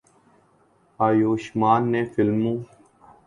آیوشمان نے فلموں